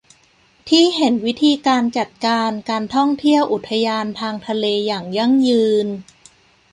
ที่เห็นวิธีการจัดการการท่องเที่ยวอุทยานทางทะเลอย่างยั่งยืน